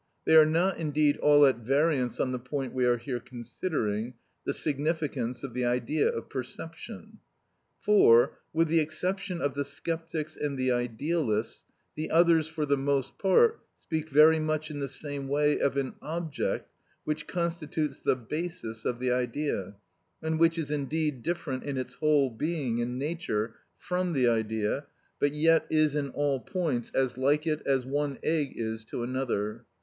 They are not, indeed, all at variance on the point we are here considering, the significance of the idea of perception. For, with the exception of the Sceptics and the Idealists, the others, for the most part, speak very much in the same way of an object which constitutes the basis of the idea, and which is indeed different in its whole being and nature from the idea, but yet is in all points as like it as one egg is to another.